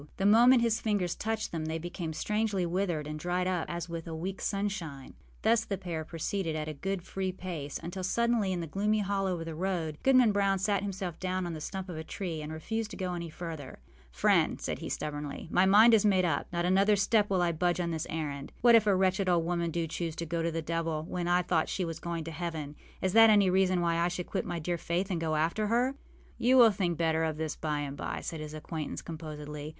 The moment his fingers touched them they became strangely withered and dried up as with a weekâs sunshine. Thus the pair proceeded, at a good free pace, until suddenly, in a gloomy hollow of the road, Goodman Brown sat himself down on the stump of a tree and refused to go any farther. âFriend,â said he, stubbornly, âmy mind is made up. Not another step will I budge on this errand. What if a wretched old woman do choose to go to the devil when I thought she was going to heaven: is that any reason why I should quit my dear Faith and go after her?â âYou will think better of this by and by,â said his acquaintance, composedly.